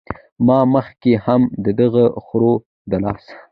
ما مخکښې هم د دغه خرو د لاسه